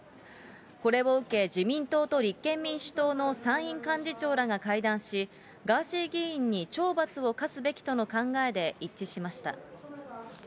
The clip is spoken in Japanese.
これを受け、自民党と立憲民主党の参院幹事長らが会談し、ガーシー議員に懲罰を科すべきとの考えで一致しました。